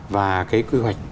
và quy hoạch